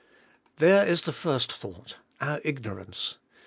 There is the first thought: our ignorance.